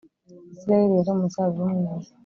Israheli yari umuzabibu mwiza